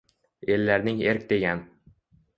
Ellarning erk degan